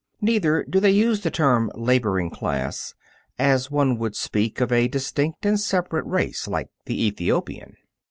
Neither do they use the term Laboring Class, as one would speak of a distinct and separate race, like the Ethiopian.